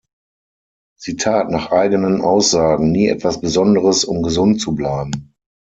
Sie tat nach eigenen Aussagen nie etwas Besonderes, um gesund zu bleiben.